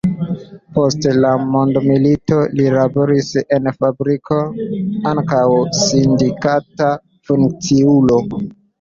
Post la mondomilito li laboris en fabriko, ankaŭ sindikata funkciulo.